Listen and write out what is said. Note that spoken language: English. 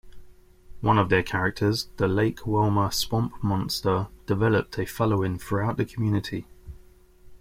One of their characters-the Lake Welmer Swamp Monster-developed a following throughout the community.